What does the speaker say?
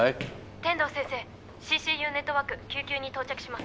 ☎天堂先生☎ＣＣＵネットワーク救急に到着します